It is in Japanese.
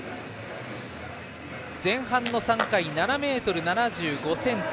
前半の３回、７ｍ７５ｃｍ。